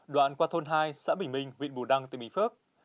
đoạn qua thôn hai xã bình minh huyện bù đăng tỉnh bình phước